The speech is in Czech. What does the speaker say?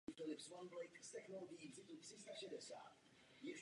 Každá mladistvá osoba ve vězení představuje selhání společnosti.